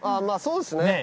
まあそうですね。